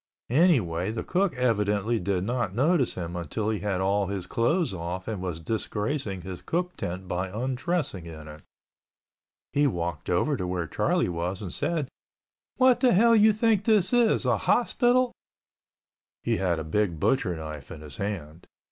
Anyway the cook evidently did not notice him until he had all his clothes off and was disgracing his cook tent by undressing in it. He walked over to where Charlie was, said, "What the hell you think this is ... a hospital?" He had a big butcher knife in his hand.